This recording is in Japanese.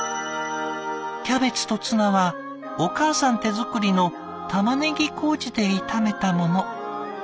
キャベツとツナはお母さん手作りの玉ねぎ麹で炒めたもの。